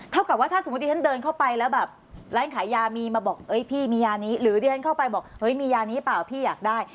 เท่ากับว่าถ้าสมมติท่านเดินเข้าไปแล้วแบบร้านขายยามีมาบอกพี่มียานี้หรือเดินเข้าไปบอกมียานี้เปล่าพี่อยากได้